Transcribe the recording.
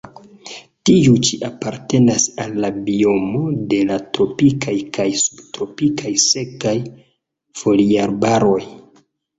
Tiu ĉi apartenas al la biomo de la tropikaj kaj subtropikaj sekaj foliarbaroj.